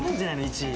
１位。